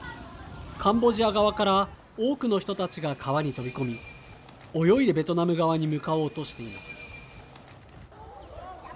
カンボジア側から多くの人たちが川に飛び込み泳いでベトナム側に向かおうとしています。